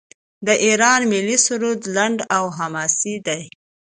د ایران ملي سرود لنډ او حماسي دی.